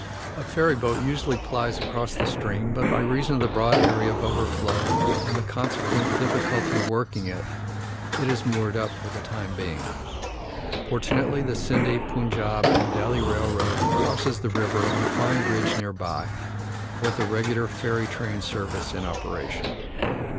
A ferryboat usually plies across the stream, but by reason of the broad area of overflow, and the consequent difficulty of working it, it is moored up for the time being. Fortunately, the Scinde, Punjab & Delhi Railroad crosses the river on a fine bridge near by, with a regular ferry train service in operation.